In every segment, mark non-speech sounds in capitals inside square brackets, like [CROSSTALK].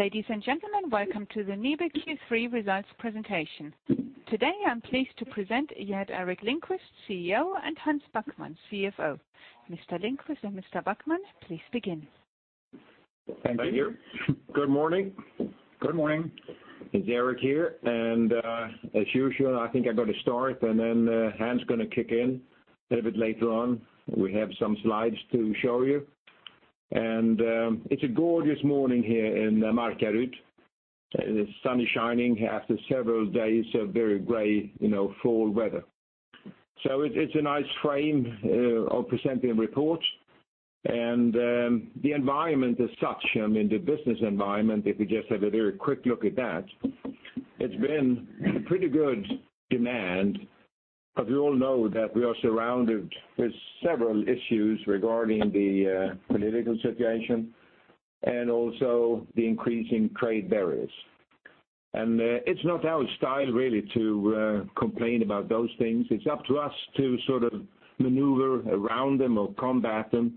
Ladies and gentlemen, welcome to the NIBE Q3 results presentation. Today, I'm pleased to present Gerteric Lindquist, CEO, and Hans Backman, CFO. Mr. Lindquist and Mr. Backman, please begin. Thank you. Thank you. Good morning. Good morning. It's Eric here, and as usual, I think I'm going to start, and then Hans is going to kick in a little bit later on. We have some slides to show you. It's a gorgeous morning here in Markaryd. The sun is shining after several days of very gray fall weather. It's a nice frame of presenting reports. The environment as such, the business environment, if we just have a very quick look at that, it's been pretty good demand, but we all know that we are surrounded with several issues regarding the political situation and also the increasing trade barriers. It's not our style really to complain about those things. It's up to us to maneuver around them or combat them.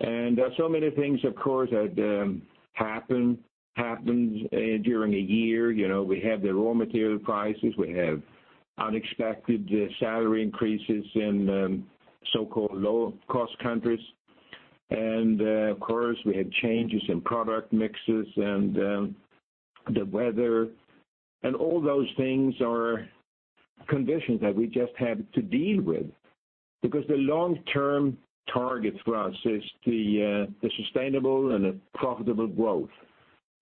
There are so many things, of course, that happened during a year. We have the raw material prices, we have unexpected salary increases in so-called low-cost countries. Of course, we have changes in product mixes and the weather. All those things are conditions that we just have to deal with, because the long-term target for us is the sustainable and profitable growth.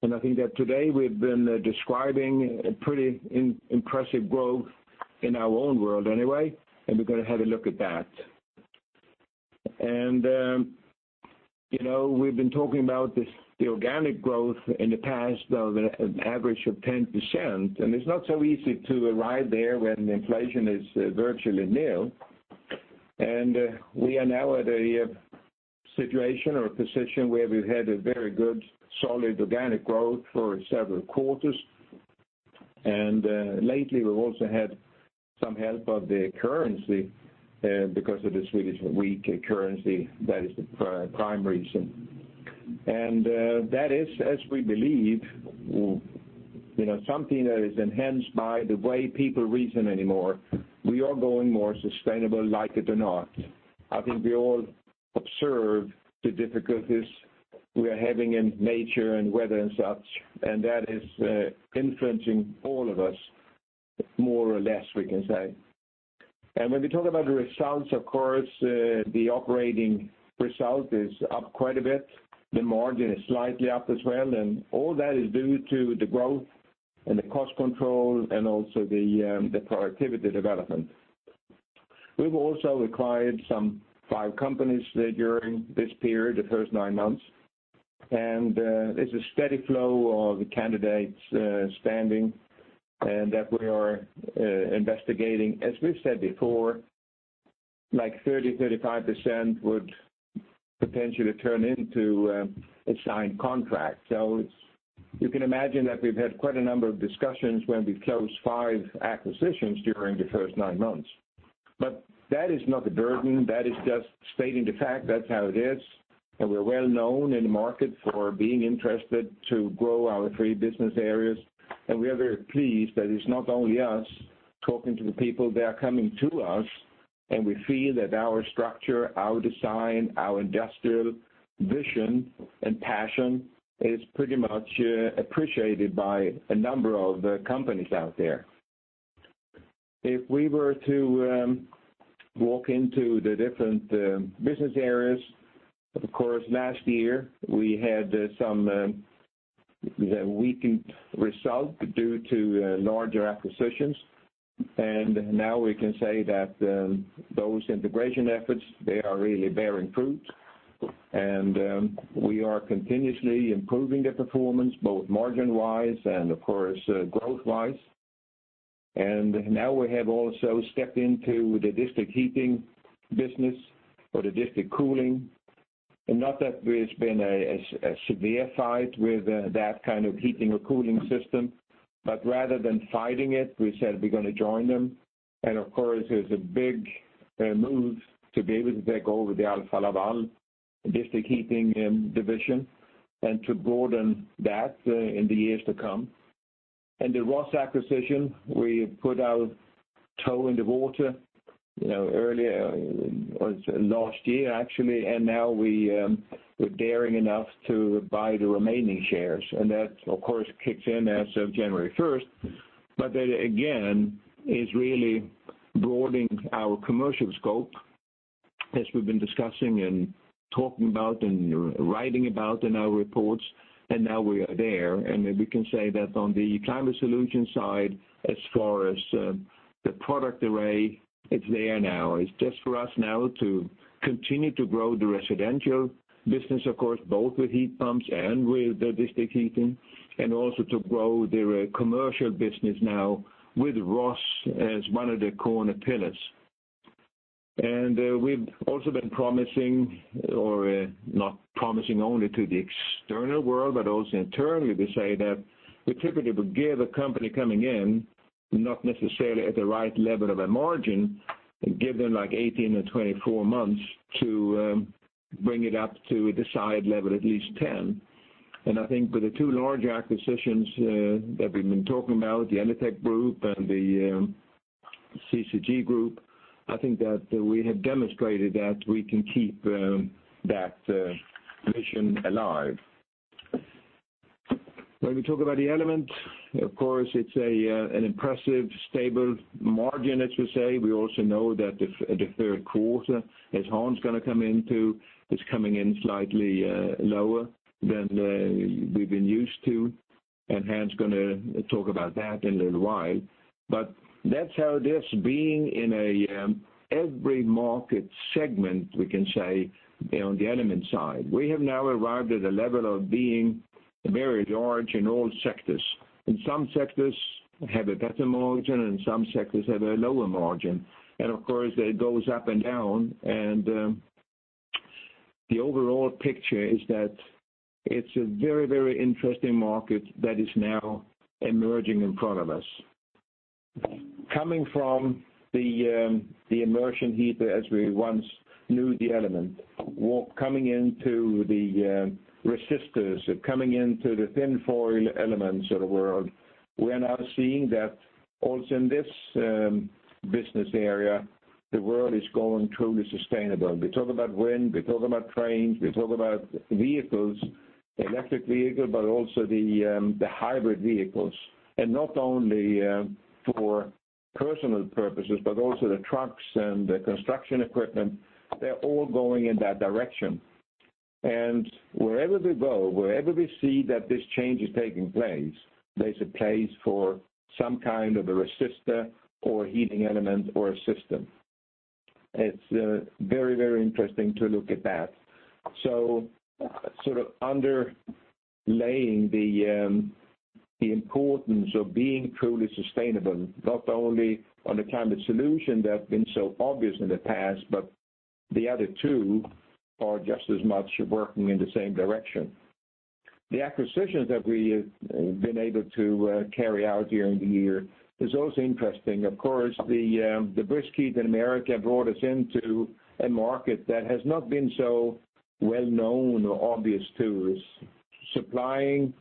I think that today we've been describing a pretty impressive growth in our own world anyway, and we're going to have a look at that. We've been talking about the organic growth in the past, though, at an average of 10%, and it's not so easy to arrive there when inflation is virtually nil. We are now at a situation or a position where we've had a very good, solid organic growth for several quarters. Lately, we've also had some help of the currency because of the Swedish weak currency, that is the prime reason. That is, as we believe, something that is enhanced by the way people reason anymore. We are going more sustainable, like it or not. I think we all observe the difficulties we are having in nature and weather and such, and that is influencing all of us more or less, we can say. When we talk about the results, of course, the operating result is up quite a bit. The margin is slightly up as well, and all that is due to the growth and the cost control and also the productivity development. We've also acquired some five companies during this period, the first nine months, and it's a steady flow of candidates standing, and that we are investigating. As we've said before, like 30%-35% would potentially turn into a signed contract. You can imagine that we've had quite a number of discussions when we closed five acquisitions during the first nine months. That is not a burden. That is just stating the fact, that's how it is. We're well-known in the market for being interested to grow our three business areas. We are very pleased that it's not only us talking to the people, they are coming to us, and we feel that our structure, our design, our industrial vision and passion is pretty much appreciated by a number of companies out there. If we were to walk into the different business areas, of course, last year, we had some weakened result due to larger acquisitions. Now we can say that those integration efforts, they are really bearing fruit, and we are continuously improving the performance, both margin-wise and, of course, growth-wise. Now we have also stepped into the district heating business or the district cooling. Not that it's been a severe fight with that kind of heating or cooling system, but rather than fighting it, we said we're going to join them. Of course, there's a big move to be able to take over the Alfa Laval district heating division and to broaden that in the years to come. The Rhoss acquisition, we put our toe in the water earlier, or last year, actually, and now we're daring enough to buy the remaining shares. That, of course, kicks in as of January 1st. That, again, is really broadening our commercial scope, as we've been discussing and talking about and writing about in our reports, and now we are there. We can say that on the Climate Solutions side, as far as the product array, it's there now. It's just for us now to continue to grow the residential business, of course, both with heat pumps and with the district heating, and also to grow their commercial business now with Rhoss as one of the corner pillars. We've also been promising, or not promising only to the external world, but also internally, we say that we typically would give a company coming in, not necessarily at the right level of a margin. Give them 18 or 24 months to bring it up to a desired level, at least 10. I think with the two large acquisitions that we've been talking about, the EMIN Group and the CCG Group, I think that we have demonstrated that we can keep that mission alive. When we talk about the Element, of course, it's an impressive stable margin, as you say. We also know that the third quarter, as Hans going to come into, is coming in slightly lower than we've been used to, and Hans is going to talk about that and then why. That's how this being in every market segment, we can say, on the Element side. We have now arrived at a level of being very large in all sectors. In some sectors, have a better margin, and some sectors have a lower margin. Of course, it goes up and down. The overall picture is that it is a very interesting market that is now emerging in front of us. Coming from the immersion heater, as we once knew the NIBE Element, coming into the resistors, coming into the thin foil elements of the world, we are now seeing that also in this business area, the world is going truly sustainable. Wind, trains, vehicles, electric vehicle, but also the hybrid vehicles. Not only for personal purposes, but also the trucks and the construction equipment, they are all going in that direction. Wherever we go, wherever we see that this change is taking place, there is a place for some kind of a resistor or heating element or a system. It is very interesting to look at that. Underlying the importance of being truly sustainable, not only on the Climate Solutions that have been so obvious in the past, but the other two are just as much working in the same direction. The acquisitions that we have been able to carry out during the year are also interesting. Of course, Backer Hotwatt in America brought us into a market that has not been so well known or obvious to us, supplying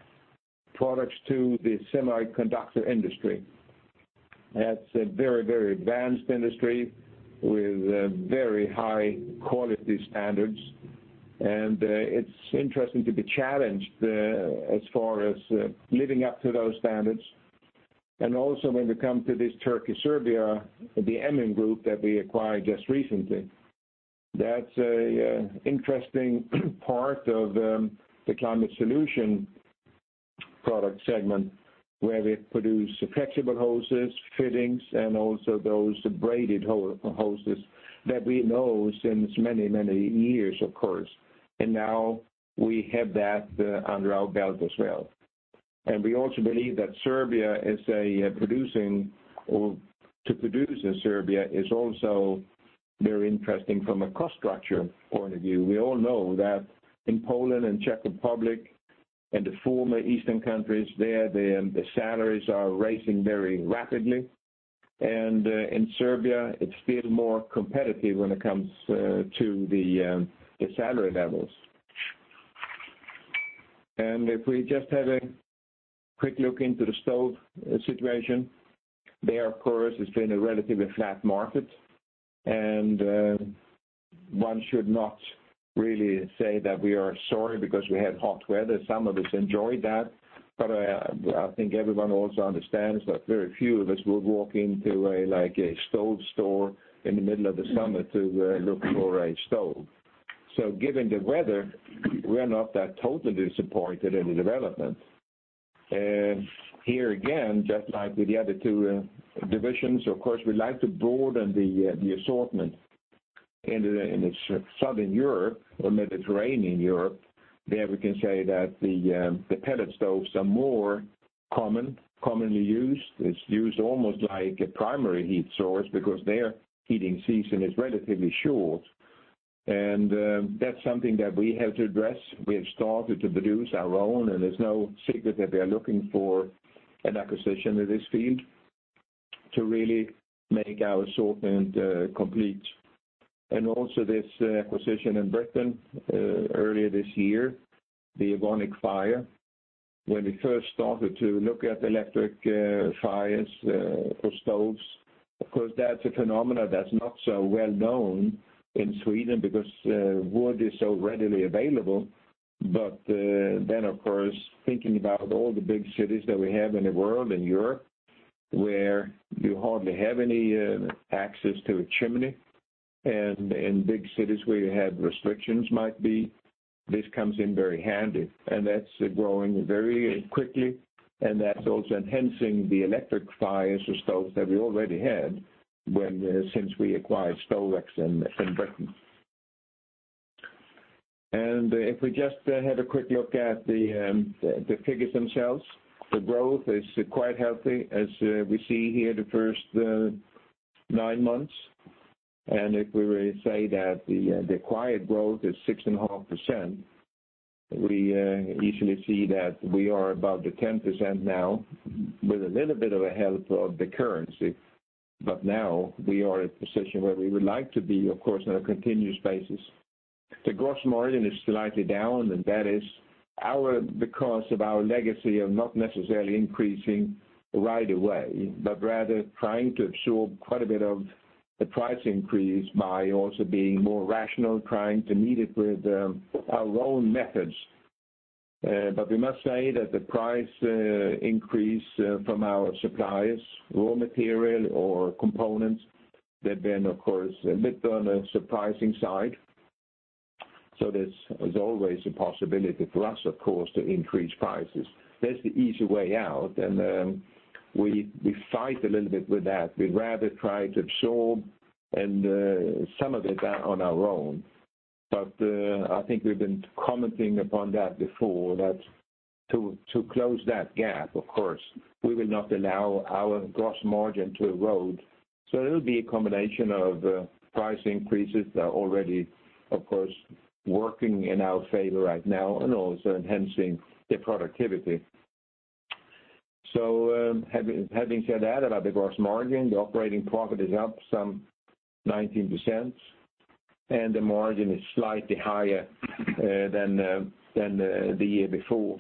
products to the semiconductor industry. That is a very advanced industry with very high quality standards, and it is interesting to be challenged as far as living up to those standards. When we come to this Turkey, Serbia, the EMIN Group that we acquired just recently, that is an interesting part of the Climate Solutions product segment where they produce flexible hoses, fittings, and also those braided hoses that we know since many years, of course. Now we have that under our belt as well. We also believe that Serbia is a producing, or to produce in Serbia is also very interesting from a cost structure point of view. We all know that in Poland and Czech Republic and the former Eastern countries there, the salaries are rising very rapidly. In Serbia, it is still more competitive when it comes to the salary levels. If we just have a quick look into the stove situation, there of course, it has been a relatively flat market, and one should not really say that we are sorry because we had hot weather. Some of us enjoyed that, but I think everyone also understands that very few of us would walk into a stove store in the middle of the summer to look for a stove. Given the weather, we are not that totally disappointed in the development. Here again, just like with the other two divisions, of course, we like to broaden the assortment in Southern Europe or Mediterranean Europe. There we can say that the pellet stoves are more commonly used. It is used almost like a primary heat source because their heating season is relatively short. That is something that we have to address. We have started to produce our own, and it is no secret that we are looking for an acquisition in this field to really make our assortment complete. This acquisition in Britain earlier this year, the Evonic Fires. When we first started to look at electric fires for stoves, of course, that is a phenomenon that is not so well known in Sweden because wood is so readily available. Of course, thinking about all the big cities that we have in the world, in Europe, where you hardly have any access to a chimney, and in big cities where you have restrictions might be, this comes in very handy. That's growing very quickly, and that's also enhancing the electric fires or stoves that we already had since we acquired Stovax in Britain. If we just had a quick look at the figures themselves, the growth is quite healthy as we see here the first nine months. If we were to say that the acquired growth is 6.5%. We easily see that we are above the 10% now with a little bit of a help of the currency. Now we are at a position where we would like to be, of course, on a continuous basis. The gross margin is slightly down, that is because of our legacy of not necessarily increasing right away, but rather trying to absorb quite a bit of the price increase by also being more rational, trying to meet it with our own methods. We must say that the price increase from our suppliers, raw material or components, they've been, of course, a bit on a surprising side. There's always a possibility for us, of course, to increase prices. That's the easy way out, and we fight a little bit with that. We'd rather try to absorb and some of it on our own. I think we've been commenting upon that before, that to close that gap, of course, we will not allow our gross margin to erode. It'll be a combination of price increases that are already, of course, working in our favor right now and also enhancing the productivity. Having said that about the gross margin, the operating profit is up some 19%, and the margin is slightly higher than the year before.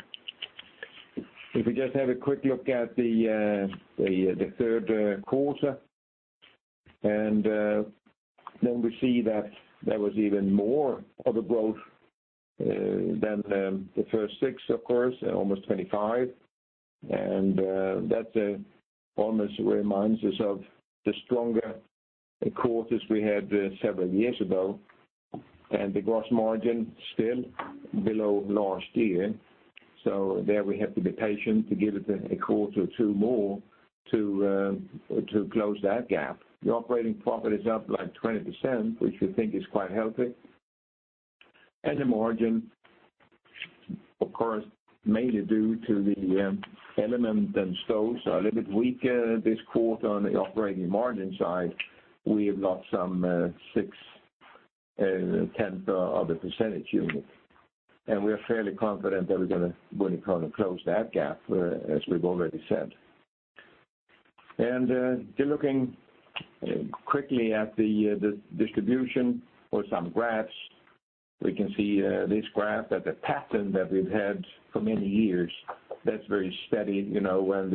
If we just have a quick look at the third quarter, then we see that there was even more of a growth than the first six, of course, almost 25%. That almost reminds us of the stronger quarters we had several years ago. The gross margin still below last year, so there we have to be patient to give it a quarter or two more to close that gap. The operating profit is up like 20%, which we think is quite healthy. The margin, of course, mainly due to the element and stoves are a little bit weaker this quarter on the operating margin side. We have lost some 0.6 percentage unit. We're fairly confident that we're going to close that gap, as we've already said. Looking quickly at the distribution or some graphs, we can see this graph, that the pattern that we've had for many years, that's very steady. When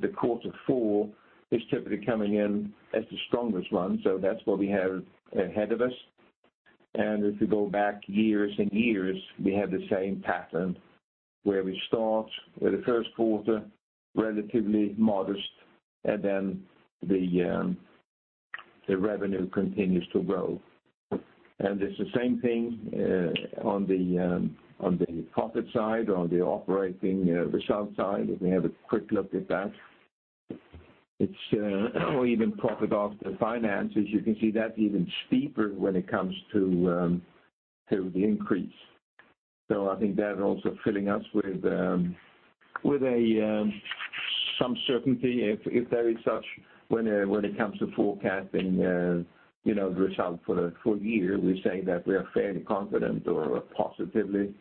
the quarter four is typically coming in as the strongest one, that's what we have ahead of us. If you go back years and years, we have the same pattern where we start with the first quarter relatively modest, then the revenue continues to grow. It's the same thing on the profit side or on the operating result side, if we have a quick look at that. Even profit after finances, you can see that even steeper when it comes to the increase. I think that also filling us with some certainty, if there is such, when it comes to forecasting the result for the full year. We say that we are fairly confident or positively,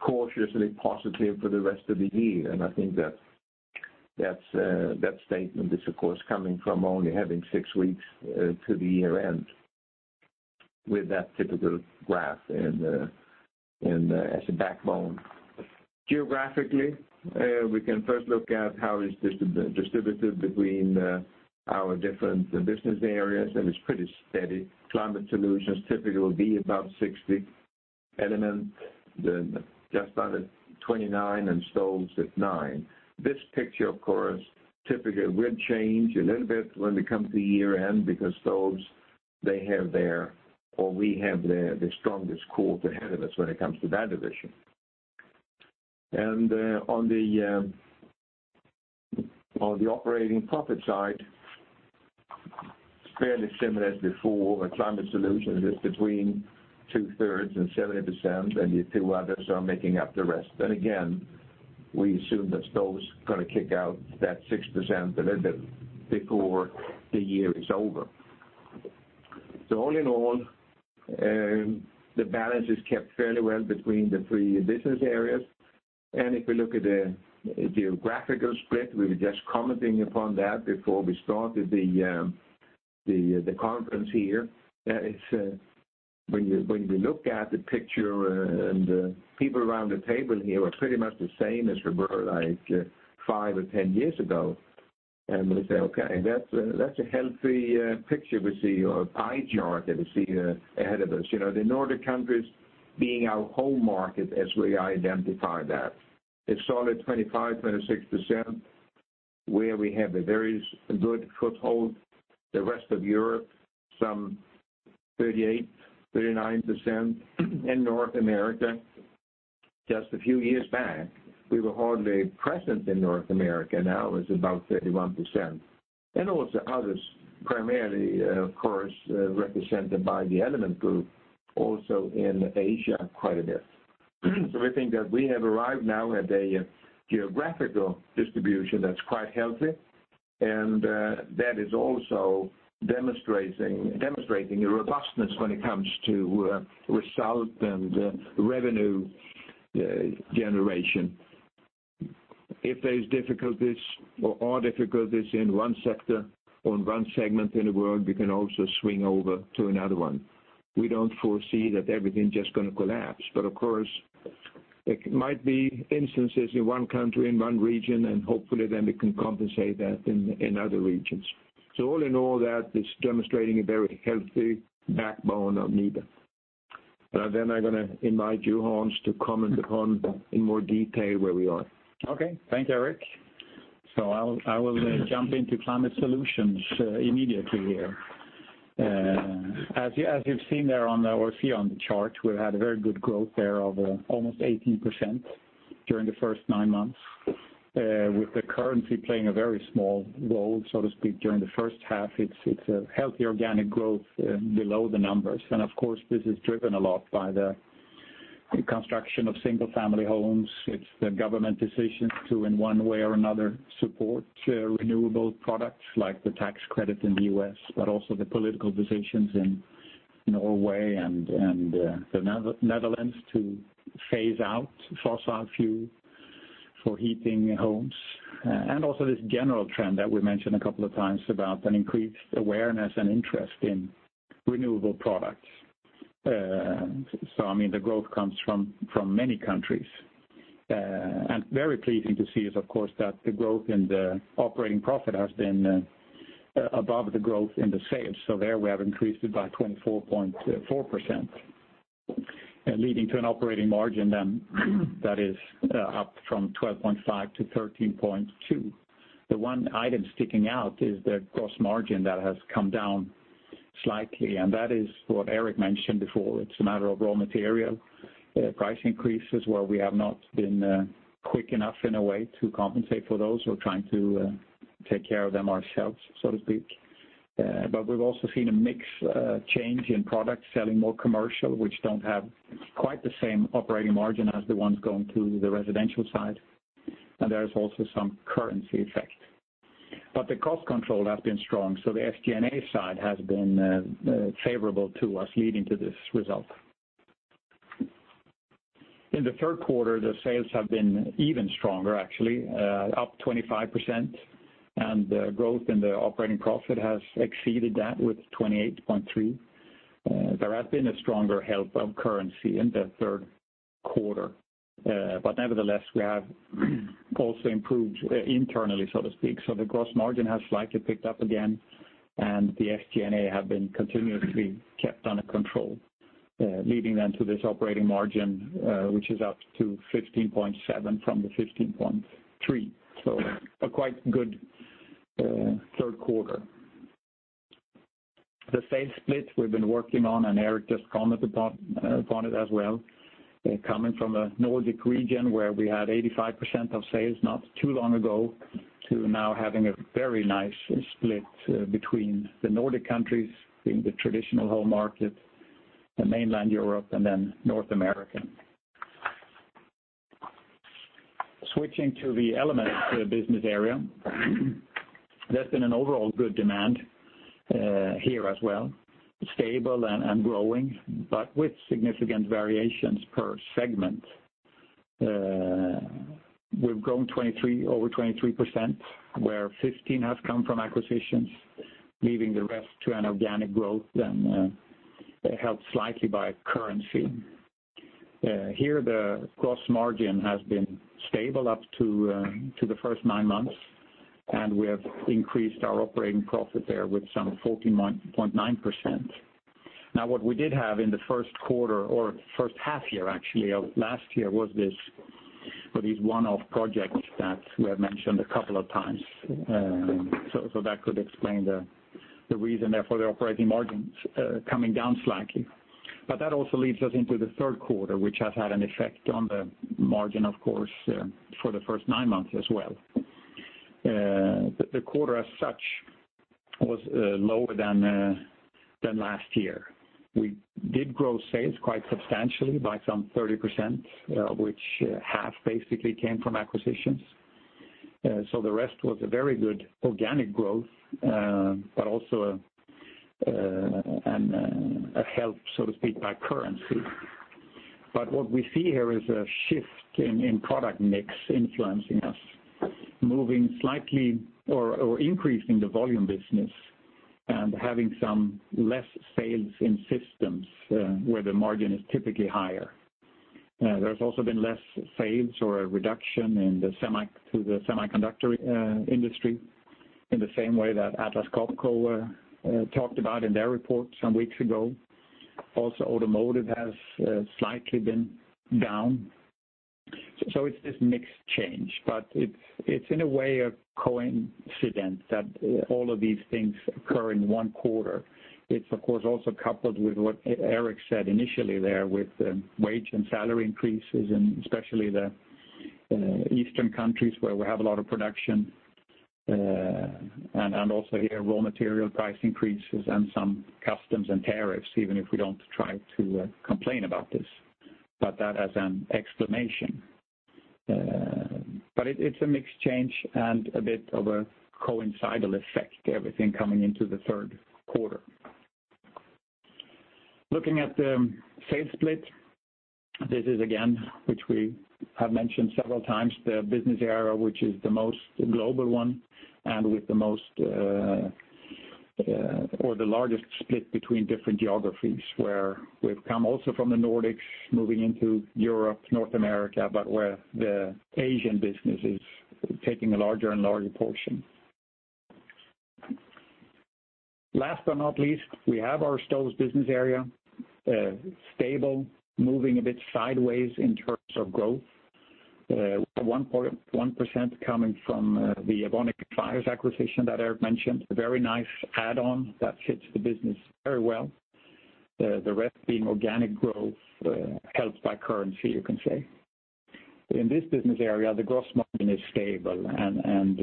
cautiously positive for the rest of the year. I think that statement is, of course, coming from only having six weeks to the year-end with that typical graph as a backbone. Geographically, we can first look at how it's distributed between our different business areas, and it's pretty steady. Climate Solutions typically will be about 60%, Element just about at 29%, and stoves at 9%. This picture, of course, typically will change a little bit when it comes to year-end because stoves, we have the strongest quarter ahead of us when it comes to that division. On the operating profit side, it's fairly similar as before, where Climate Solutions is between 2/3 and 70%, and the two others are making up the rest. Again, we assume that stoves going to kick out that 6% a little bit before the year is over. All in all, the balance is kept fairly well between the three business areas. If we look at the geographical split, we were just commenting upon that before we started the conference here. That is when you look at the picture and the people around the table here are pretty much the same as were like five or 10 years ago, and we say, okay, that's a healthy picture we see or pie chart that we see ahead of us. The Nordic countries being our home market as we identify that. A solid 25%, 26% where we have a very good foothold. The rest of Europe, some 38%, 39%. In North America, just a few years back, we were hardly present in North America. Now it's about 31%. Also others primarily, of course, represented by the Element group, also in Asia quite a bit. We think that we have arrived now at a geographical distribution that's quite healthy. That is also demonstrating a robustness when it comes to result and revenue generation. If there are difficulties in one sector or one segment in the world, we can also swing over to another one. We don't foresee that everything's just going to collapse, but of course, there might be instances in one country, in one region, and hopefully then we can compensate that in other regions. All in all, that is demonstrating a very healthy backbone of NIBE. I'm going to invite you, Hans, to comment upon in more detail where we are. Okay. Thank you, Eric. I will jump into Climate Solutions immediately here. As you've seen there or see on the chart, we've had very good growth there of almost 18% during the first nine months, with the currency playing a very small role, so to speak, during the first half. It's a healthy organic growth below the numbers. Of course, this is driven a lot by the construction of single-family homes. It's the government decision to, in one way or another, support renewable products like the tax credit in the U.S., but also the political decisions in Norway and the Netherlands to phase out fossil fuel for heating homes. Also this general trend that we mentioned a couple of times about an increased awareness and interest in renewable products. The growth comes from many countries. Very pleasing to see is, of course, that the growth in the operating profit has been above the growth in the sales. There we have increased it by 24.4%, leading to an operating margin then that is up from 12.5%-13.2%. The one item sticking out is the gross margin that has come down slightly, and that is what Eric mentioned before. It's a matter of raw material price increases, where we have not been quick enough in a way to compensate for those. We're trying to take care of them ourselves, so to speak. We've also seen a mix change in products selling more commercial, which don't have quite the same operating margin as the ones going to the residential side. There is also some currency effect. The cost control has been strong, the SG&A side has been favorable to us, leading to this result. In the third quarter, the sales have been even stronger, actually, up 25%, and the growth in the operating profit has exceeded that with 28.3%. There has been a stronger help of currency in the third quarter. Nevertheless, we have also improved internally, so to speak. The gross margin has slightly picked up again, and the SG&A have been continuously kept under control, leading then to this operating margin which is up to 15.7% from the 15.3%. A quite good third quarter. The sales split we've been working on, Eric just commented upon it as well, coming from a Nordic region where we had 85% of sales not too long ago, to now having a very nice split between the Nordic countries in the traditional home market, the mainland Europe, and then North America. Switching to the Elements business area, there's been an overall good demand here as well, stable and growing, but with significant variations per segment. We've grown over 23%, where 15% has come from acquisitions, leaving the rest to an organic growth, then helped slightly by currency. Here, the gross margin has been stable up to the first nine months, and we have increased our operating profit there with some 14.9%. What we did have in the first quarter or first half year, actually, of last year was these one-off projects that we have mentioned a couple of times. So that could explain the reason there for the operating margins coming down slightly. That also leads us into the third quarter, which has had an effect on the margin, of course, for the first nine months as well. The quarter as such was lower than last year. We did grow sales quite substantially by some 30%, which half basically came from acquisitions. The rest was a very good organic growth, but also helped, so to speak, by currency. What we see here is a shift in product mix influencing us, moving slightly or increasing the volume business and having some less sales in systems where the margin is typically higher. There has also been less sales or a reduction to the semiconductor industry in the same way that Atlas Copco talked about in their report some weeks ago. Automotive has slightly been down. So it is this mix change, but it is in a way a coincidence that all of these things occur in one quarter. It is of course also coupled with what Eric said initially there with wage and salary increases, and especially the eastern countries where we have a lot of production, and also here raw material price increases and some customs and tariffs, even if we do not try to complain about this. That as an explanation. It is a mixed change and a bit of a coincidental effect, everything coming into the third quarter. This is again, which we have mentioned several times, the business area which is the most global one and with the largest split between different geographies, where we have come also from the Nordics moving into Europe, North America, but where the Asian business is taking a larger and larger portion. Last but not least, we have our stoves business area, stable, moving a bit sideways in terms of growth. 1.1% coming from the Evonic Fires acquisition that I have mentioned, a very nice add-on that fits the business very well. The rest being organic growth, helped by currency, you can say. In this business area, the gross margin is stable and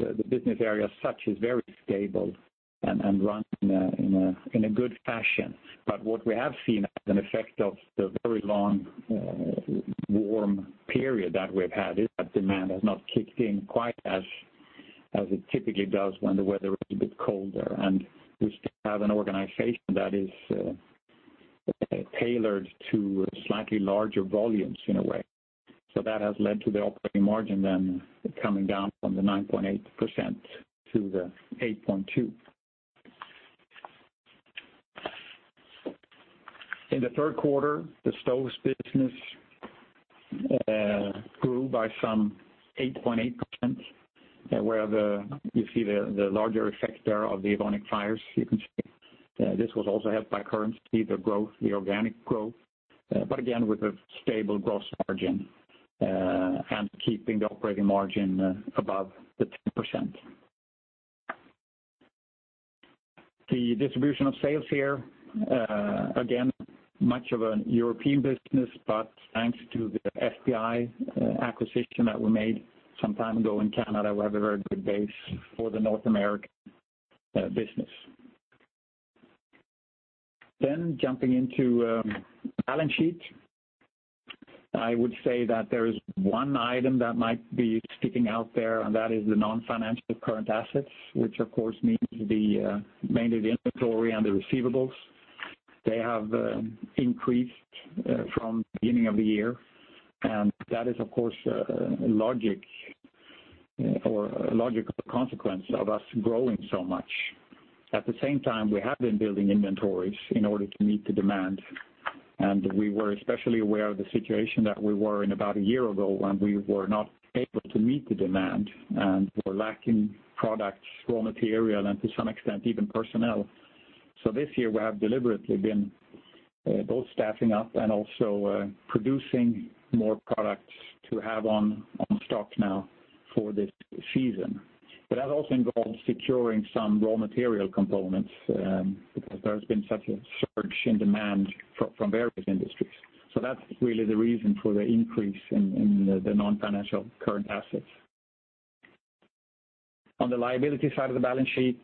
the business area such is very stable and runs in a good fashion. What we have seen as an effect of the very long, warm period that we have had is that demand has not kicked in quite as it typically does when the weather is a bit colder. We still have an organization that is tailored to slightly larger volumes in a way. So that has led to the operating margin then coming down from the 9.8% to the 8.2%. In the third quarter, the stoves business grew by some 8.8%, where you see the larger effect there of the Evonic Fires. You can see this was also helped by currency, the organic growth, but again with a stable gross margin, and keeping the operating margin above 10%. The distribution of sales here, again, much of a European business, but thanks to the FPI acquisition that we made some time ago in Canada, we have a very good base for the North American business. Jumping into balance sheet, I would say that there is one item that might be sticking out there, and that is the non-financial current assets, which of course means mainly the inventory and the receivables. They have increased from the beginning of the year, and that is, of course, a logical consequence of us growing so much. At the same time, we have been building inventories in order to meet the demand, and we were especially aware of the situation that we were in about a year ago when we were not able to meet the demand and were lacking products, raw material, and to some extent, even personnel. This year, we have deliberately been both staffing up and also producing more products to have on stock now for this season. That also involves securing some raw material components because there has been such a surge in demand from various industries. That's really the reason for the increase in the non-financial current assets. On the liability side of the balance sheet,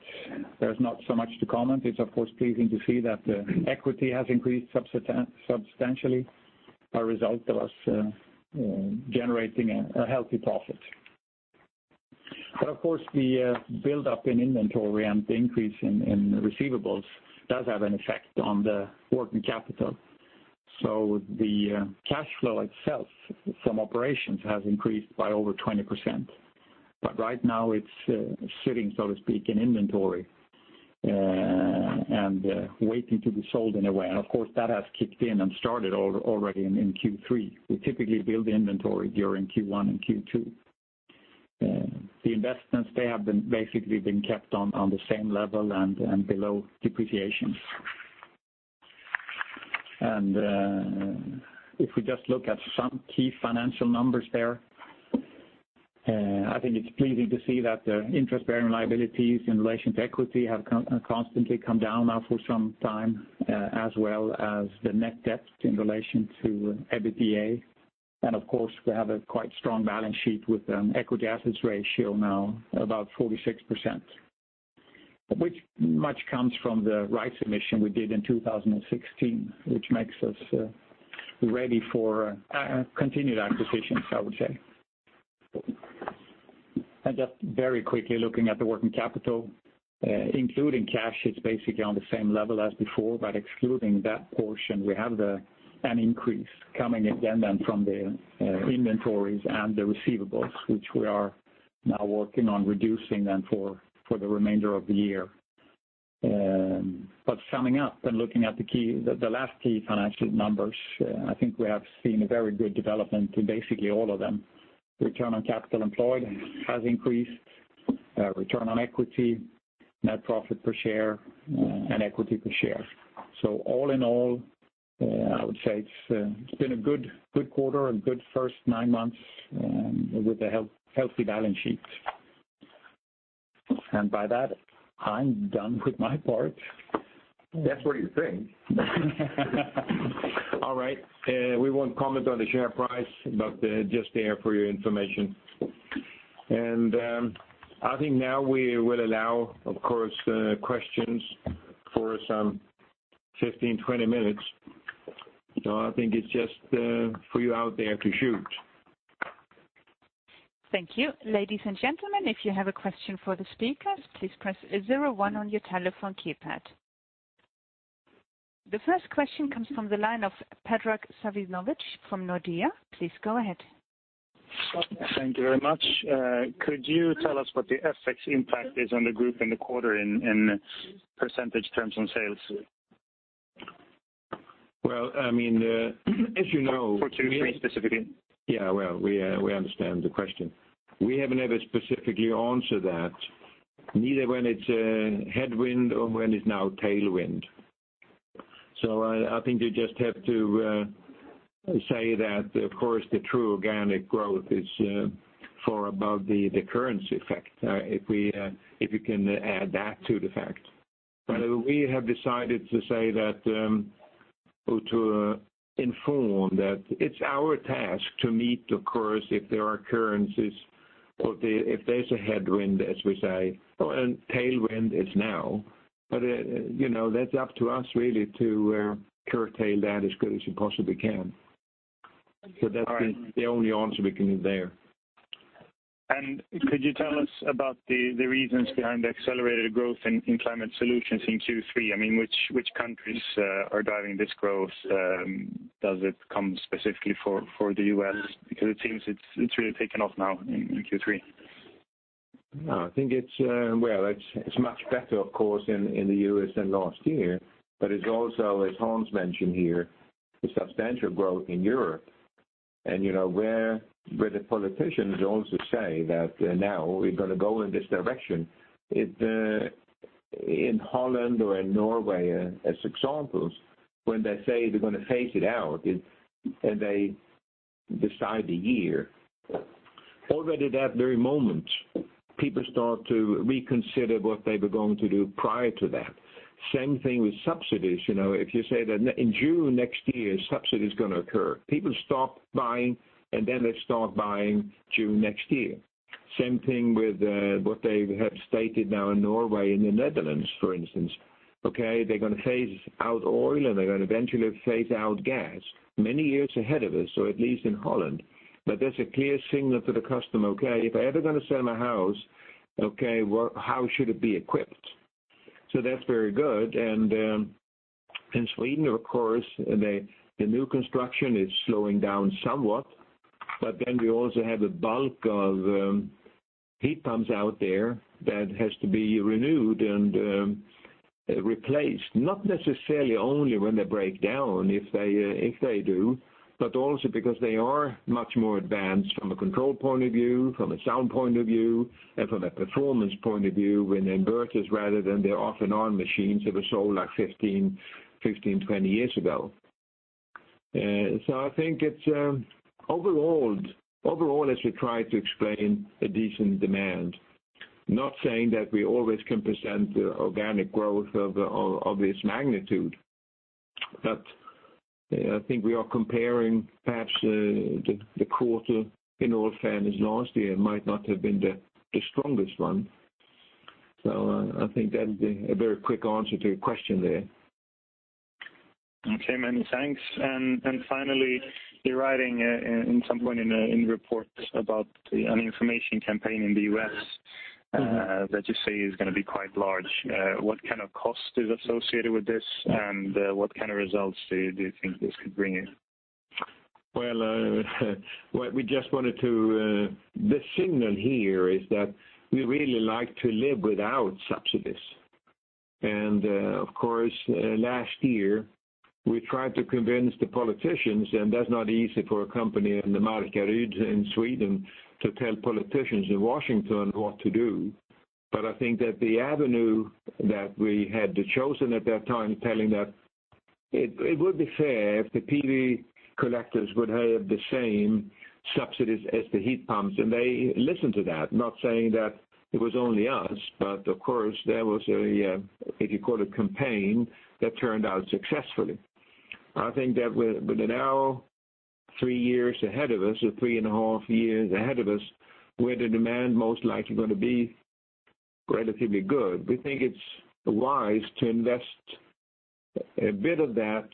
there's not so much to comment. It's, of course, pleasing to see that the equity has increased substantially, a result of us generating a healthy profit. Of course, the build-up in inventory and the increase in receivables does have an effect on the working capital. The cash flow itself from operations has increased by over 20%. Right now it's sitting, so to speak, in inventory, and waiting to be sold in a way. Of course, that has kicked in and started already in Q3. We typically build inventory during Q1 and Q2. The investments have basically been kept on the same level and below depreciation. If we just look at some key financial numbers there, I think it's pleasing to see that the interest-bearing liabilities in relation to equity have constantly come down now for some time, as well as the net debt in relation to EBITDA. Of course, we have a quite strong balance sheet with an equity assets ratio now about 46%, which much comes from the rights emission we did in 2016, which makes us ready for continued acquisitions, I would say. Just very quickly looking at the working capital, including cash, it's basically on the same level as before, excluding that portion, we have an increase coming again then from the inventories and the receivables, which we are now working on reducing then for the remainder of the year. Summing up and looking at the last key financial numbers, I think we have seen a very good development to basically all of them. Return on capital employed has increased, return on equity, net profit per share, and equity per share. All in all, I would say it's been a good quarter, a good first nine months with a healthy balance sheet. By that, I'm done with my part. That's what you think. All right. We won't comment on the share price, but just there for your information. I think now we will allow, of course, questions for some 15, 20 minutes. I think it's just for you out there to shoot. Thank you. Ladies and gentlemen, if you have a question for the speakers, please press 01 on your telephone keypad. The first question comes from the line of Predrag [AUDIO DISTORTION] from Nordea. Please go ahead. Thank you very much. Could you tell us what the FX impact is on the group in the quarter in percentage terms on sales? Well, as you know. For Q3 specifically. Well, we understand the question. We haven't ever specifically answered that, neither when it's a headwind or when it's now tailwind. I think you just have to say that, of course, the true organic growth is far above the currency effect, if you can add that to the fact. We have decided to say that, or to inform that it's our task to meet the course if there are currencies or if there's a headwind, as we say, and tailwind is now. That's up to us really to curtail that as good as you possibly can. That's the only answer we can give there. Could you tell us about the reasons behind the accelerated growth in Climate Solutions in Q3? I mean, which countries are driving this growth? Does it come specifically from the U.S.? Because it seems it's really taken off now in Q3. I think it's much better, of course, in the U.S. than last year. It's also, as Hans mentioned here, the substantial growth in Europe and where the politicians also say that now we're going to go in this direction. In Holland or in Norway, as examples, when they say they're going to phase it out, and they decide the year, already that very moment, people start to reconsider what they were going to do prior to that. Same thing with subsidies. If you say that in June next year, subsidy is going to occur, people stop buying and then they start buying June next year. Same thing with what they have stated now in Norway and the Netherlands, for instance. Okay, they're going to phase out oil, and they're going to eventually phase out gas many years ahead of us, or at least in Holland. That's a clear signal to the customer, if they're ever going to sell my house, how should it be equipped? That's very good. In Sweden, of course, the new construction is slowing down somewhat. We also have a bulk of heat pumps out there that has to be renewed and replaced, not necessarily only when they break down, if they do, but also because they are much more advanced from a control point of view, from a sound point of view, and from a performance point of view with inverters rather than their off and on machines that were sold 15, 20 years ago. I think it's overall, as we try to explain, a decent demand. Not saying that we always can present the organic growth of this magnitude, I think we are comparing perhaps the quarter in all fairness, last year might not have been the strongest one. I think that's a very quick answer to your question there. Okay. Many thanks. Finally, you're writing in some point in the report about an information campaign in the U.S. that you say is going to be quite large. What kind of cost is associated with this, and what kind of results do you think this could bring in? Well, the signal here is that we really like to live without subsidies. Of course, last year, we tried to convince the politicians, and that's not easy for a company in the Markaryd in Sweden to tell politicians in Washington what to do. I think that the avenue that we had chosen at that time, telling that it would be fair if the PV collectors would have the same subsidies as the heat pumps, they listened to that. Not saying that it was only us, of course, there was, if you call it campaign, that turned out successfully. I think that with now three years ahead of us, or three and a half years ahead of us, where the demand most likely going to be relatively good, we think it's wise to invest a bit of that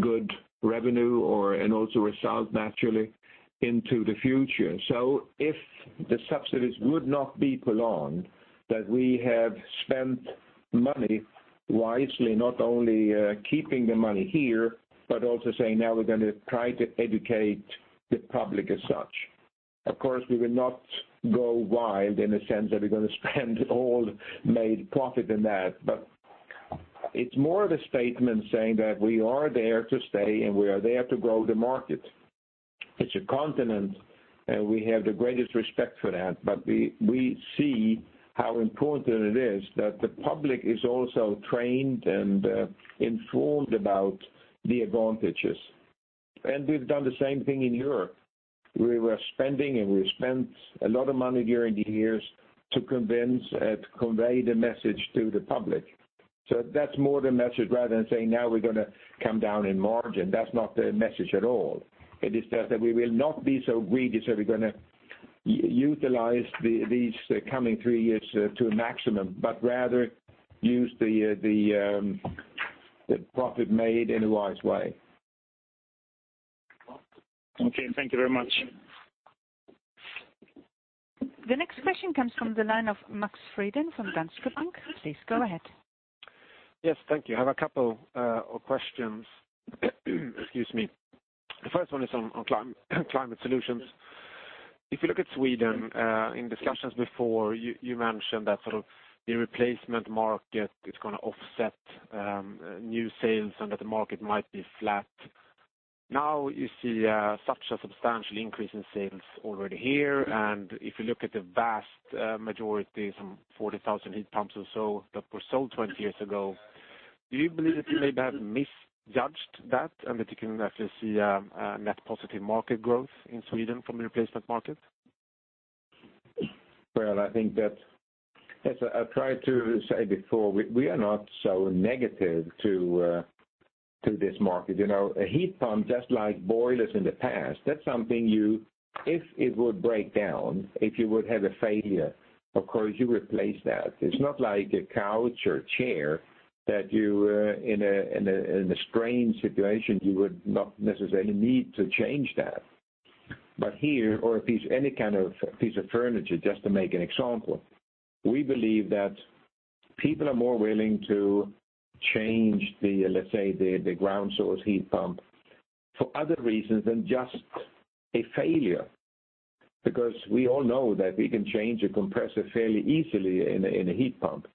good revenue, and also result naturally into the future. If the subsidies would not be prolonged, that we have spent money wisely, not only keeping the money here, but also saying, now we're going to try to educate the public as such. Of course, we will not go wild in the sense that we're going to spend all made profit in that, it's more of a statement saying that we are there to stay, and we are there to grow the market. It's a continent, and we have the greatest respect for that. We see how important it is that the public is also trained and informed about the advantages. We've done the same thing in Europe, where we spent a lot of money during the years to convince and to convey the message to the public. That's more the message, rather than saying now we're going to come down in margin. That's not the message at all. It is that we will not be so greedy, so we're going to utilize these coming three years to a maximum, but rather use the profit made in a wise way. Okay, thank you very much. The next question comes from the line of Max Frydén from Danske Bank. Please go ahead. Yes, thank you. I have a couple of questions. Excuse me. The first one is on Climate Solutions. If you look at Sweden, in discussions before, you mentioned that sort of the replacement market is going to offset new sales and that the market might be flat. Now you see such a substantial increase in sales already here, and if you look at the vast majority, some 40,000 heat pumps or so that were sold 20 years ago. Do you believe that you maybe have misjudged that, and that you can actually see a net positive market growth in Sweden from replacement market? Well, I think that, as I tried to say before, we are not so negative to this market. A heat pump, just like boilers in the past, that is something you, if it would break down, if you would have a failure, of course you replace that. It is not like a couch or chair that you, in a strange situation, you would not necessarily need to change that. Here, or any kind of piece of furniture, just to make an example, we believe that people are more willing to change the, let's say, the ground source heat pump for other reasons than just a failure. We all know that we can change a compressor fairly easily in a heat pump.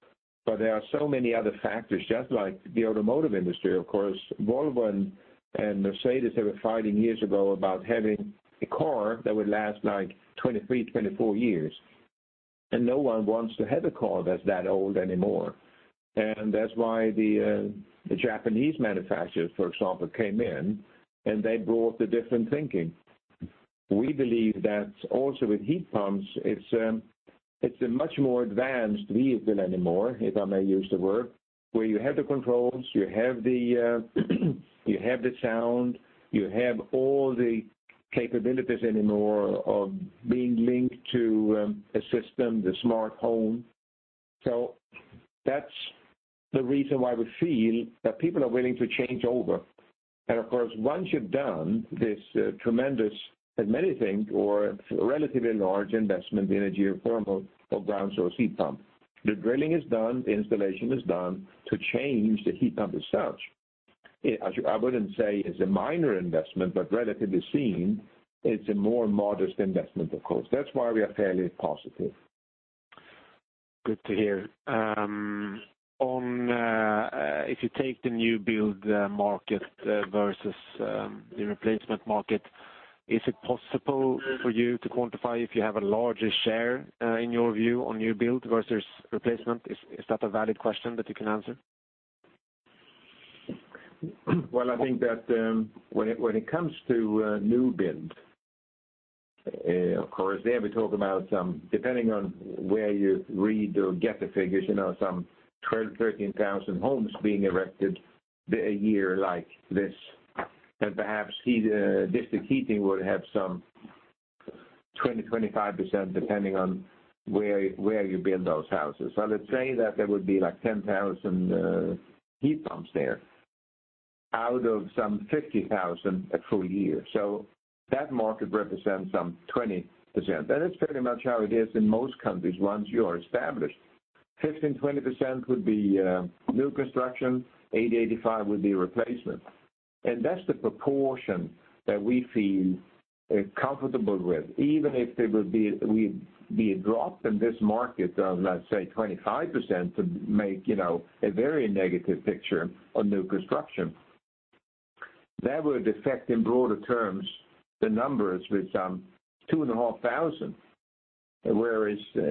There are so many other factors, just like the automotive industry, of course. Volvo and Mercedes-Benz were fighting years ago about having a car that would last like 23, 24 years, no one wants to have a car that is that old anymore. That is why the Japanese manufacturers, for example, came in and they brought a different thinking. We believe that also with heat pumps, it is a much more advanced vehicle anymore, if I may use the word, where you have the controls, you have the sound, you have all the capabilities anymore of being linked to a system, the smart home. That is the reason why we feel that people are willing to change over. Of course, once you have done this tremendous, as many think, or relatively large investment in a geothermal or ground source heat pump, the drilling is done, the installation is done to change the heat pump itself. I wouldn't say it is a minor investment, relatively seen, it is a more modest investment, of course. That is why we are fairly positive. Good to hear. If you take the new build market versus the replacement market, is it possible for you to quantify if you have a larger share, in your view, on new build versus replacement? Is that a valid question that you can answer? Well, I think that when it comes to new build, of course, there we talk about some, depending on where you read or get the figures, some 12,000, 13,000 homes being erected a year like this. Perhaps district heating would have some 20%-25%, depending on where you build those houses. Let's say that there would be like 10,000 heat pumps there out of some 50,000 a full year. That market represents some 20%. That is pretty much how it is in most countries once you are established. 15%-20% would be new construction, 80%-85% would be replacement. That's the proportion that we feel comfortable with. Even if there would be a drop in this market of, let's say, 25% to make a very negative picture on new construction. That would affect in broader terms, the numbers with some 2,500.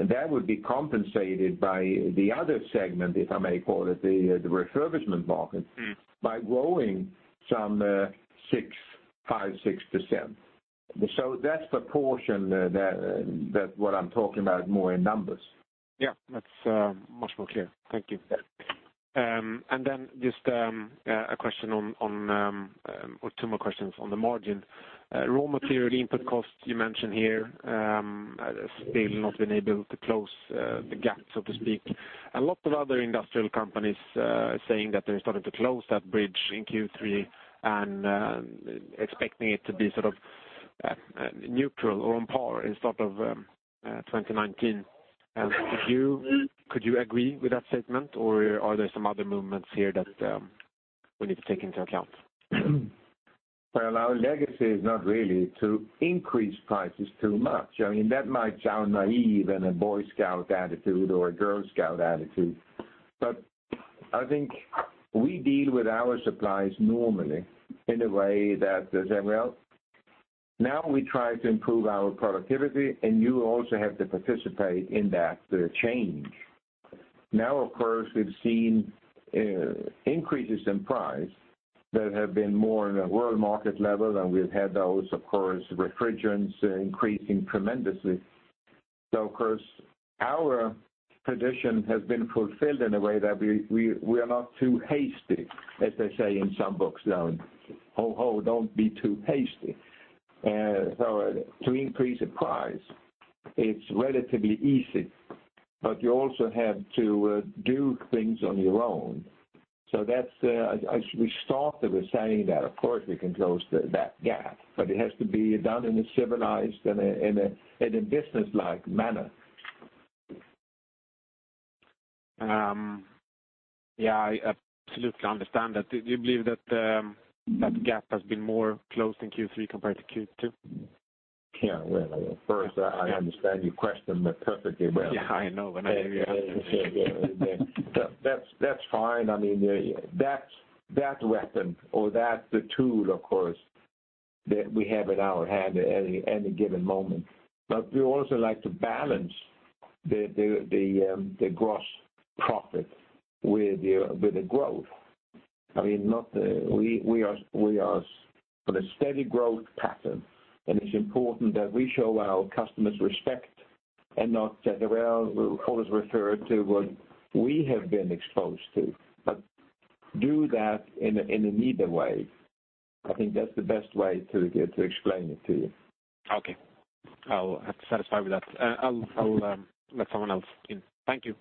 That would be compensated by the other segment, if I may call it the refurbishment market, by growing some 5%-6%. That's proportion that what I'm talking about more in numbers. Yeah, that's much more clear. Thank you. Yeah. Just a question on, or two more questions on the margin. Raw material input costs you mentioned here, still not been able to close the gap, so to speak. A lot of other industrial companies are saying that they're starting to close that bridge in Q3 and expecting it to be sort of neutral or on par in sort of 2019. Could you agree with that statement or are there some other movements here that we need to take into account? Well, our legacy is not really to increase prices too much. I mean, that might sound naive and a Boy Scout attitude or a Girl Scout attitude, but I think we deal with our suppliers normally in a way that they say, "Well, now we try to improve our productivity and you also have to participate in that change." Now, of course, we've seen increases in price that have been more in a world market level than we've had those, of course, refrigerants increasing tremendously. Of course, our tradition has been fulfilled in a way that we are not too hasty, as they say in some books now. Ho, ho, don't be too hasty. To increase the price, it's relatively easy, but you also have to do things on your own. We started with saying that, of course, we can close that gap, but it has to be done in a civilized and a business-like manner. Yeah, I absolutely understand that. Do you believe that that gap has been more closed in Q3 compared to Q2? First, I understand your question perfectly well. I know. That's fine. That weapon or that tool, of course, that we have in our hand at any given moment. We also like to balance the gross profit with the growth. We are on a steady growth pattern, and it's important that we show our customers respect and not say, "Well, always refer to what we have been exposed to," but do that in a needed way. I think that's the best way to explain it to you. Okay. I'll have to satisfy with that. I'll let someone else in. Thank you.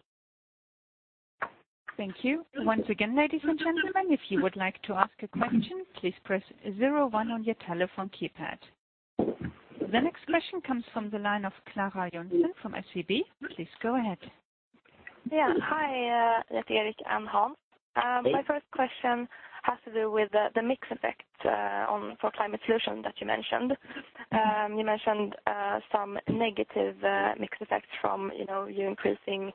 Thank you. Once again, ladies and gentlemen, if you would like to ask a question, please press 01 on your telephone keypad. The next question comes from the line of [AUDIO DISTORTION] from SEB. Please go ahead. Yeah. Hi, Eric and Hans. My first question has to do with the mix effect for Climate Solutions that you mentioned. You mentioned some negative mix effects from your increasing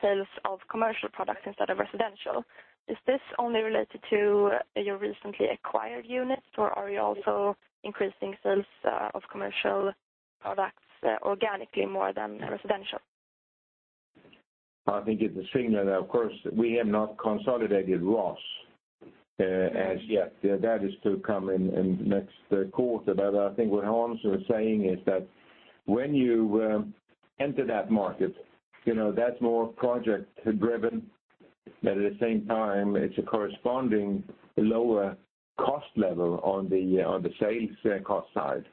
sales of commercial products instead of residential. Is this only related to your recently acquired units, or are you also increasing sales of commercial products organically more than residential? I think it's similar. Of course, we have not consolidated Rhoss as yet. That is to come in the next quarter. I think what Hans was saying is that when you enter that market, that's more project-driven, but at the same time, it's a corresponding lower cost level on the sales cost side.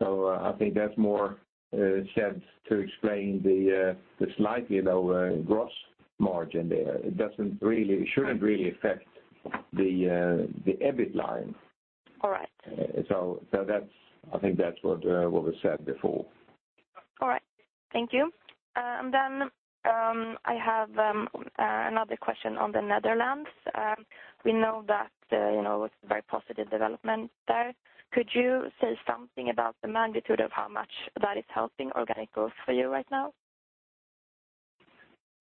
I think that's more sense to explain the slightly lower gross margin there. It shouldn't really affect the EBIT line. All right. I think that's what was said before. All right. Thank you. I have another question on the Netherlands. We know that it's very positive development there. Could you say something about the magnitude of how much that is helping organic growth for you right now?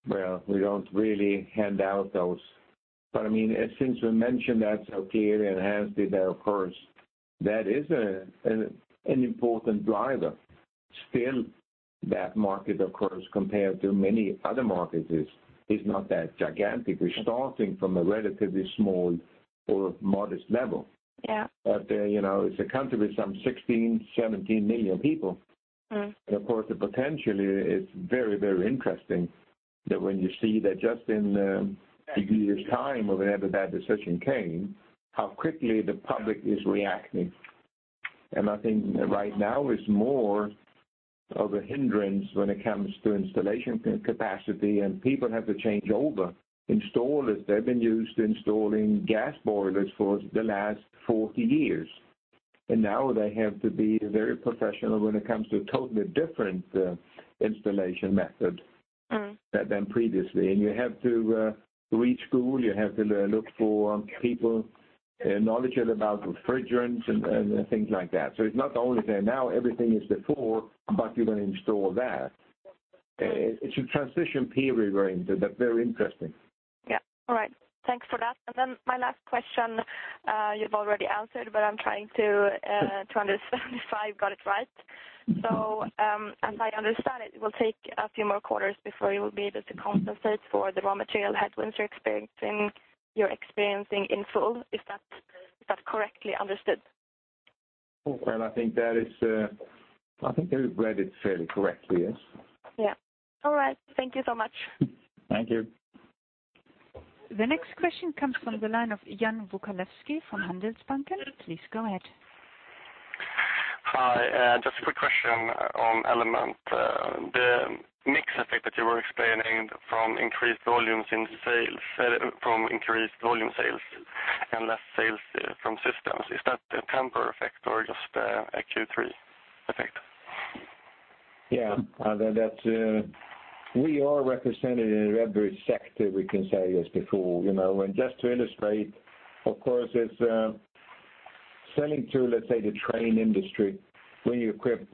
Well, we don't really hand out those. Since we mentioned that, okay, it enhanced it, of course, that is an important driver. Still, that market, of course, compared to many other markets, is not that gigantic. We're starting from a relatively small or modest level. Yeah. It's a country with some 16, 17 million people. Of course, the potential is very interesting that when you see that just in a few years time, or whenever that decision came, how quickly the public is reacting. I think right now is more of a hindrance when it comes to installation capacity, and people have to change over installers. They've been used to installing gas boilers for the last 40 years, and now they have to be very professional when it comes to totally different installation methods than previously. You have to reschool, you have to look for people knowledgeable about refrigerants and things like that. It's not only there now, everything is before, but you're going to install that. It's a transition period. We're into that. Very interesting. Yeah. All right. Thanks for that. My last question, you've already answered, but I'm trying to understand if I've got it right. As I understand it will take a few more quarters before you will be able to compensate for the raw material headwinds you're experiencing in full, if that's correctly understood. Well, I think you read it fairly correctly, yes. Yeah. All right. Thank you so much. Thank you. The next question comes from the line of [AUDIO DISTORTION] from Handelsbanken. Please go ahead. Hi. Just a quick question on Element. The mix effect that you were explaining from increased volume sales and less sales from systems, is that a temporary effect or just a Q3 effect? Yeah. We are represented in every sector, we can say, as before. Just to illustrate, of course, it's selling to, let's say, the train industry, where you equip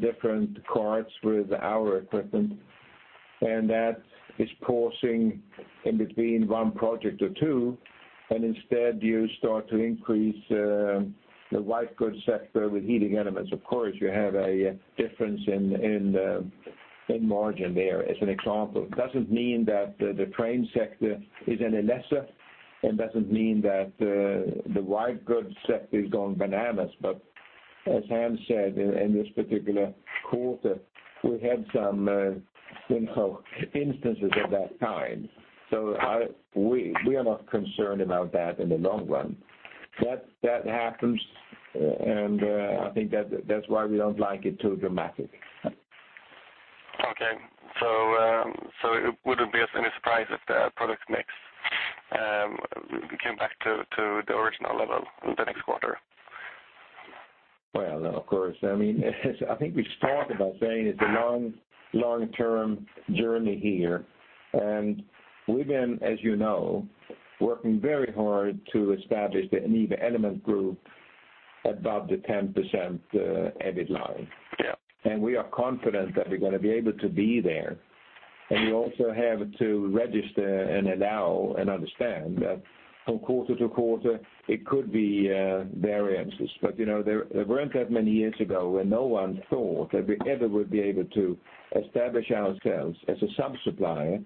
different carts with our equipment, and that is pausing in between one project or two, and instead you start to increase the white goods sector with heating elements. Of course, you have a difference in margin there as an example. It doesn't mean that the train sector is any lesser. It doesn't mean that the white goods set is going bananas. As Hans said, in this particular quarter, we had some instances of that kind. We are not concerned about that in the long run. That happens, and I think that's why we don't like it too dramatic. Okay. It wouldn't be any surprise if the product mix came back to the original level the next quarter? Well, of course. I think we've talked about saying it's a long-term journey here, and we've been, as you know, working very hard to establish the NIBE Element group above the 10% EBIT line. Yeah. We are confident that we're going to be able to be there. We also have to register and allow and understand that from quarter to quarter, it could be variances. There weren't that many years ago where no one thought that we ever would be able to establish ourselves as a sub-supplier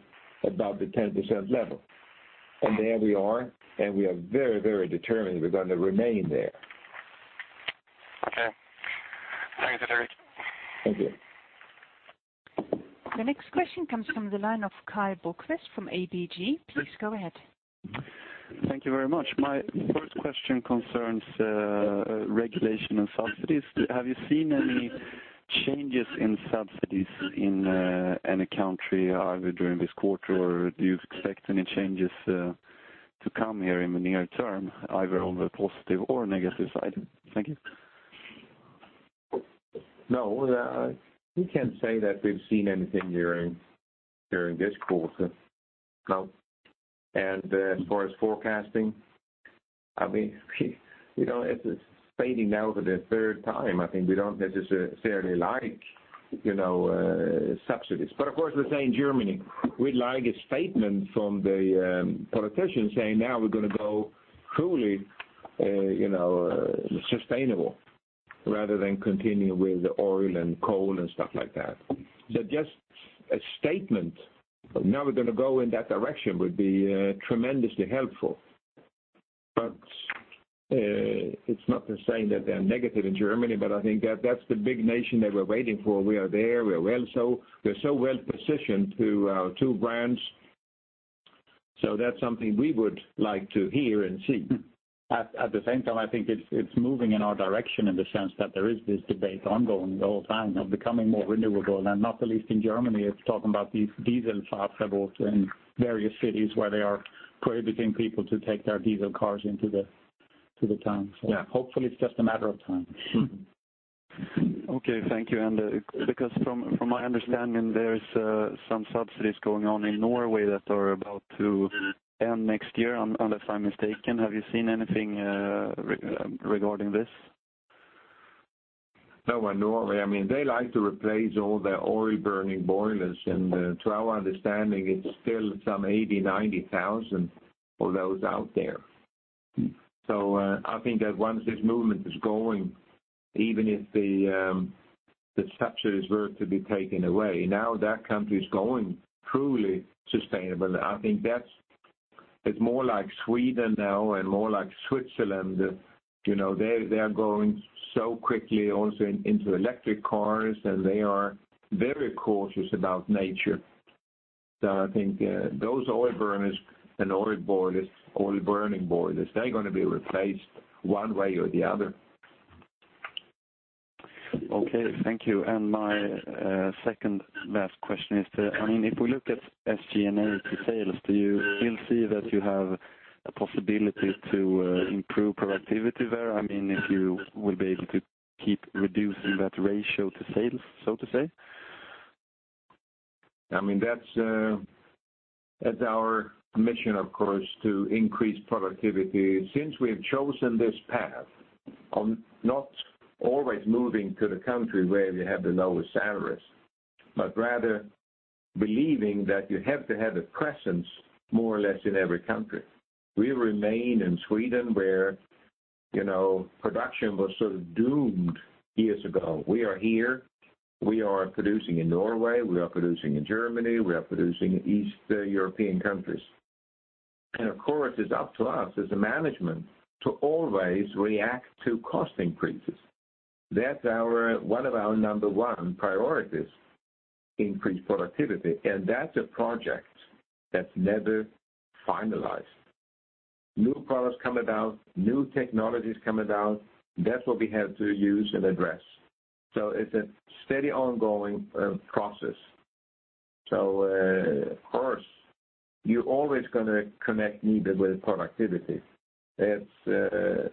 above the 10% level. There we are, and we are very determined we're going to remain there. [AUDIO DISTORTION] Thank you. The next question comes from the line of Karl Bokvist from ABG. Please go ahead. Thank you very much. My first question concerns regulation of subsidies. Have you seen any changes in subsidies in any country, either during this quarter or do you expect any changes to come here in the near term, either on the positive or negative side? Thank you. No, we can't say that we've seen anything during this quarter, no. As far as forecasting, it's fading now for the third time. I think we don't necessarily like subsidies, of course we say in Germany, we'd like a statement from the politicians saying, now we're going to go truly sustainable rather than continue with oil and coal and stuff like that. Just a statement, now we're going to go in that direction, would be tremendously helpful. It's not to say that they're negative in Germany, I think that's the big nation that we're waiting for. We are there, we're well so. We're so well-positioned through our two brands. That's something we would like to hear and see. At the same time, I think it's moving in our direction in the sense that there is this debate ongoing the whole time of becoming more renewable. Not the least in Germany, it's talking about these diesel Fahrverbot in various cities where they are prohibiting people to take their diesel cars into the town. Yeah. Hopefully it's just a matter of time. Okay, thank you. Because from my understanding, there is some subsidies going on in Norway that are about to end next year, unless I'm mistaken. Have you seen anything regarding this? No. In Norway, they like to replace all their oil-burning boilers, and to our understanding, it's still some 80,000, 90,000 of those out there. I think that once this movement is going, even if the subsidies were to be taken away, now that country is going truly sustainable. I think it's more like Sweden now and more like Switzerland. They are going so quickly also into electric cars, and they are very cautious about nature. I think those oil burners and oil-burning boilers, they're going to be replaced one way or the other. Okay, thank you. My second last question is, if we look at SG&A to sales, do you foresee that you have a possibility to improve productivity there? You will be able to keep reducing that ratio to sales, so to say? That's our mission, of course, to increase productivity. Since we've chosen this path of not always moving to the country where you have the lowest salaries, but rather believing that you have to have a presence more or less in every country. We remain in Sweden, where production was sort of doomed years ago. We are here, we are producing in Norway, we are producing in Germany, we are producing East European countries. Of course, it's up to us as a management to always react to cost increases. That's one of our number one priorities, increase productivity, and that's a project that's never finalized. New products coming out, new technologies coming out, that's what we have to use and address. It's a steady, ongoing process. Of course, you're always going to connect NIBE with productivity. It's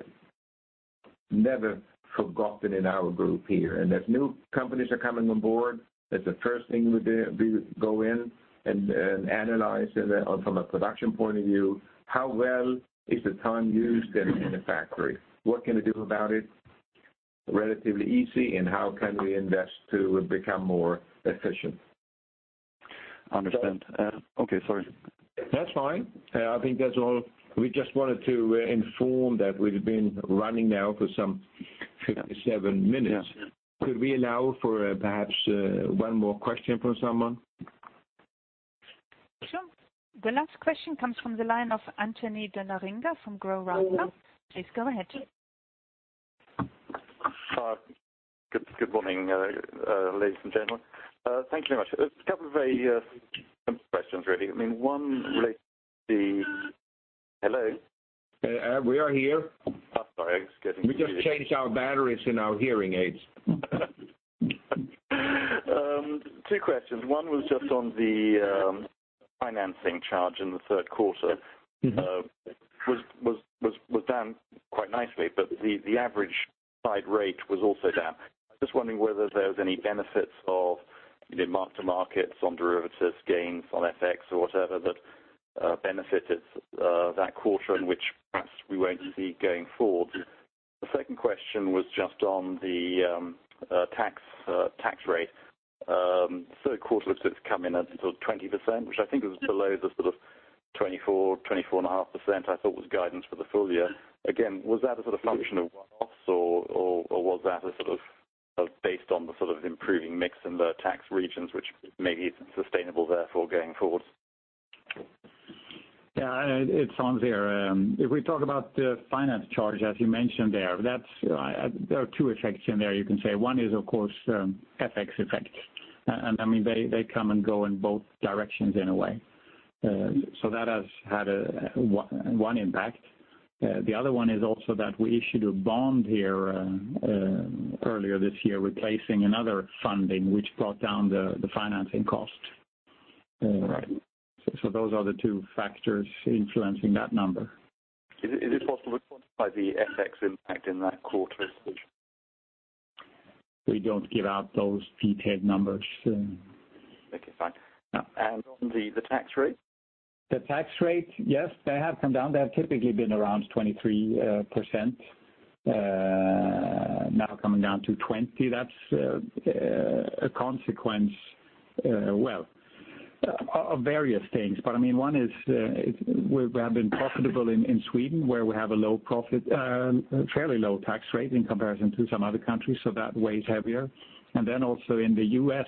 never forgotten in our group here. As new companies are coming on board, that's the first thing we do, go in and analyze from a production point of view, how well is the time used in the factory? What can we do about it relatively easy, and how can we invest to become more efficient? Understood. Okay, sorry. That's fine. I think that's all. We just wanted to inform that we've been running now for some 57 minutes. Yeah. Could we allow for perhaps one more question from someone? Sure. The last question comes from the line of Anthony. [AUDIO DISTORTION] Please go ahead. Hi. Good morning, ladies and gentlemen. Thank you very much. A couple of questions really. One relates to the Hello? We are here. Sorry. We just changed our batteries in our hearing aids. Two questions. One was just on the financing charge in the third quarter. Was down quite nicely, but the average side rate was also down. I'm just wondering whether there's any benefits of mark-to-markets on derivatives gains on FX or whatever that benefited that quarter and which perhaps we won't see going forward. The second question was just on the tax rate. Third quarter looks to have come in at sort of 20%, which I think is below the sort of 24%-24.5% I thought was guidance for the full year. Again, was that a sort of function of one-offs or was that based on the improving mix in the tax regions, which maybe isn't sustainable therefore going forward? Yeah, it's Hans here. If we talk about the finance charge, as you mentioned there are two effects in there you can say. One is, of course, FX effects. They come and go in both directions in a way. That has had one impact. The other one is also that we issued a bond here earlier this year replacing another funding, which brought down the financing cost. Right. Those are the two factors influencing that number. Is it possible to quantify the FX impact in that quarter, if possible? We don't give out those detailed numbers. Okay, fine. On the tax rate? The tax rate, yes, they have come down. They have typically been around 23%, now coming down to 20%. That's a consequence of various things. One is we have been profitable in Sweden where we have a fairly low tax rate in comparison to some other countries, so that weighs heavier. Also in the U.S.,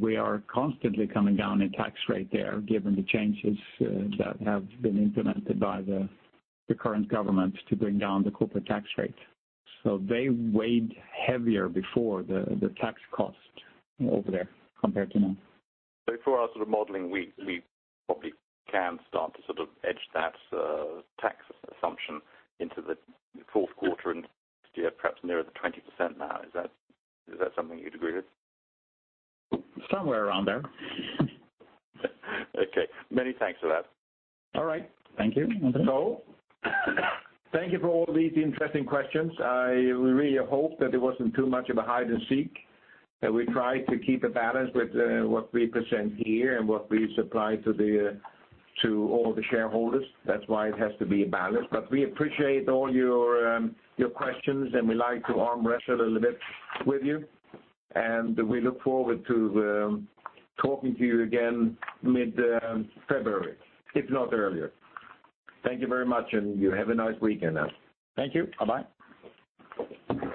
we are constantly coming down in tax rate there given the changes that have been implemented by the current government to bring down the corporate tax rate. They weighed heavier before the tax cost over there compared to now. For our sort of modeling, we probably can start to edge that tax assumption into the fourth quarter and perhaps nearer the 20% now. Is that something you'd agree with? Somewhere around there. Okay. Many thanks for that. All right. Thank you, Anthony. Thank you for all these interesting questions. I really hope that it wasn't too much of a hide and seek, that we try to keep a balance with what we present here and what we supply to all the shareholders. That's why it has to be a balance. We appreciate all your questions, and we like to arm wrestle a little bit with you. We look forward to talking to you again mid-February, if not earlier. Thank you very much, and you have a nice weekend now. Thank you. Bye-bye.